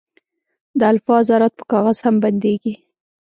د الفا ذرات په کاغذ هم بندېږي.